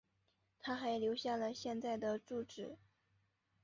她还留下了现在的住址。